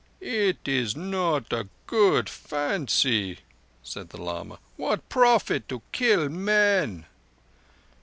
"It is not a good fancy," said the lama. "What profit to kill men?"